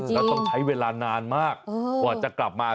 แล้วต้องใช้เวลานานมากกว่าจะกลับมา